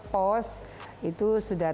pos itu sudah